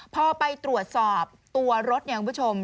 พอไปตรวจสอบตัวรถเนี่ยคุณผู้ชม